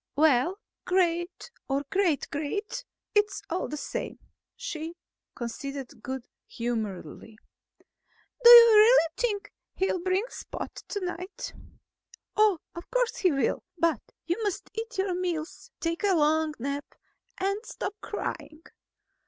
"Well, great or great great, it's all the same," she conceded good humoredly. "Do you really think he'll bring Spot tonight?" "Of course he will. But you must eat your meals, take a long nap, and stop crying."